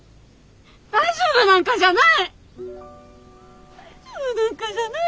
大丈夫なんかじゃない。